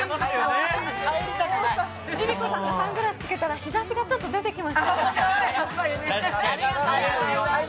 ＬｉＬｉＣｏさんがサングラス着けたら日ざしが出てきました。